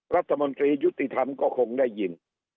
รัฐมนตรียุติธรรมก็คงได้ยิน